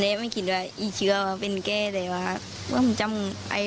เนี้ยมันคิดว่าอี้เชื่อว่าเป็นเก้แต่ว่าว่าแล้วจับอย่า